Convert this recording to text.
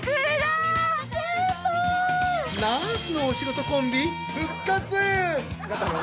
「ナースのお仕事」コンビ復活。